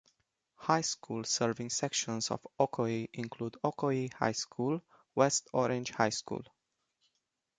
High schools serving sections of Ocoee include Ocoee High School, West Orange High School.